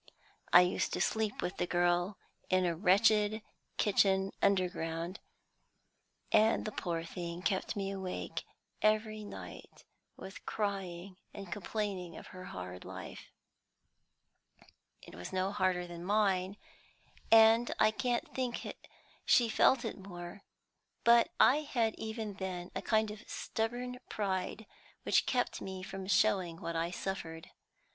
I used to sleep with the girl in a wretched kitchen underground, and the poor thing kept me awake every night with crying and complaining of her hard life. It was no harder than mine, and I can't think she felt it more; but I had even then a kind of stubborn pride which kept me from showing what I suffered.